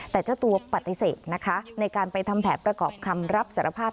แต่เจ้าตัวปฏิเสธนะคะในการไปทำแผนประกอบคำรับสารภาพ